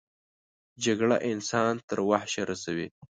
جګړه انسان تر وحشه رسوي